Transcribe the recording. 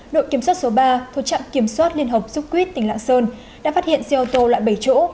đội kiểm soát số ba thuộc trạm kiểm soát liên hợp súc quyết tỉnh lạng sơn đã phát hiện xe ô tô loại bảy chỗ